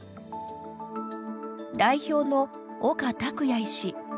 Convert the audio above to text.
代表の岡琢哉医師。